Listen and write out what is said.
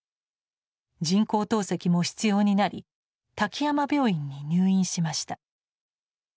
人工透析も必要になり滝山病院に入院しました。